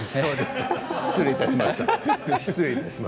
失礼いたしました。